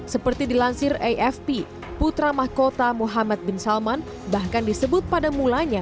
seperti dilansir afp putra mahkota muhammad bin salman bahkan disebut pada mulanya